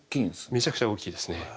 めちゃくちゃ大きいですね。